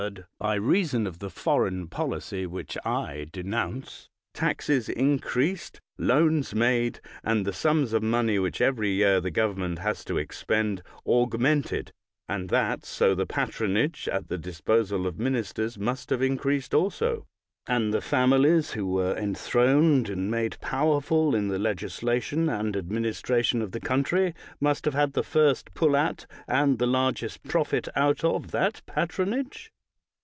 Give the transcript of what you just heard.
by reason of the foreign policy which I denounce, wars have been multiplied, taxes increased, loans made, and the sums of money which every year the government has to expend augmented, and that so the patronage at the disposal of ministers must have increased also, and the families who were enthroned and made powerful in the legis lation and administration of the country must have had the first pull at, and the largest profit out of, that patronage?